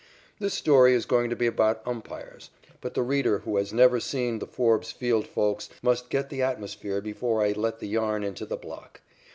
This story is going to be about umpires, but the reader who has never seen the Forbes Field folks must get the atmosphere before I let the yarn into the block.